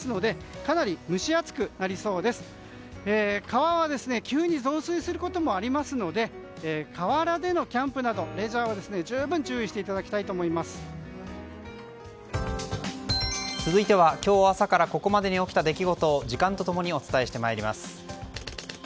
川は急に増水することもありますので河原でのキャンプなどレジャーには続いては今日朝からここまでに起きた出来事を時間と共にお伝えして参ります。